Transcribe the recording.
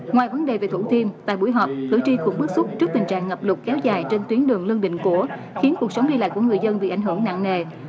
ngoài vấn đề về thủ thiêm tại buổi họp cử tri cũng bức xúc trước tình trạng ngập lụt kéo dài trên tuyến đường lương định của khiến cuộc sống đi lại của người dân bị ảnh hưởng nặng nề